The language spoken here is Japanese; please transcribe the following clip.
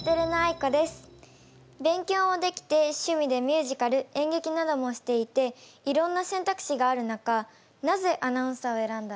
勉強もできて趣味でミュージカルえんげきなどもしていていろんな選択肢がある中なぜアナウンサーを選んだんですか？